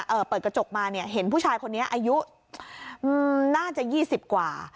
เปิดกระจกมาเนี่ยเห็นผู้ชายคนนี้อายุน่าจะยี่สิบกว่า